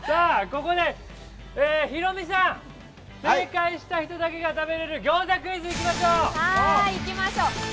ここでヒロミさん、正解した人だけが食べられるギョーザクイズに行きましょう！